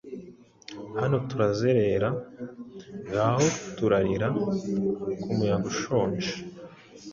Hano turazerera, ngaho turarira; Ku muyaga ushonje